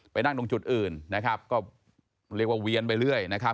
นั่งตรงจุดอื่นนะครับก็เรียกว่าเวียนไปเรื่อยนะครับ